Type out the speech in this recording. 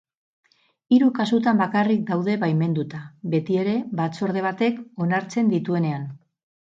Hiru kasutan bakarrik daude baimenduta, betiere batzorde batek onartzen dituenean.